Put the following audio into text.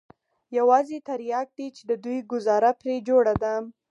يوازې ترياک دي چې د دوى گوزاره پرې جوړه ده.